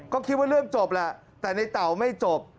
ก็คิดว่าเรื่องจบแหละแต่ในเต่าไม่จบ